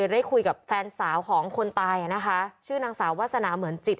ได้คุยกับแฟนสาวของคนตายอ่ะนะคะชื่อนางสาววาสนาเหมือนจิต